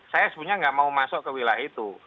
saya sebenarnya nggak mau masuk ke wilayah itu